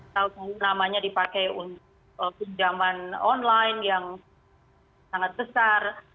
kalau namanya dipakai untuk pinjaman online yang sangat besar